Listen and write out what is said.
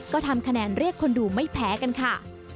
ก็ทำคะแนนเรียกคนดูไม่แพ้กันค่ะ